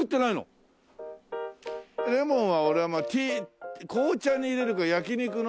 レモンは俺はまあ紅茶に入れるか焼き肉のタンだな。